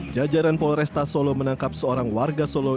jajaran polresta solo menangkap seorang warga solo